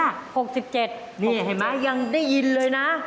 นี่เห็นไหมยังได้ยินเลยนะ